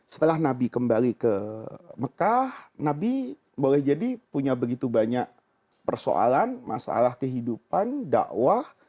setelah nabi kembali ke mekah nabi boleh jadi punya begitu banyak persoalan masalah kehidupan dakwah